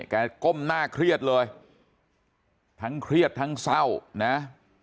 ก้มหน้าเครียดเลยทั้งเครียดทั้งเศร้านะ